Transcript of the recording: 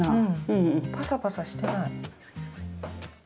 うんパサパサしてない。